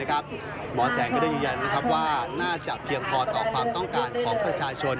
หมอแสงก็ได้ยืนยันว่าน่าจะเพียงพอต่อความต้องการของประชาชน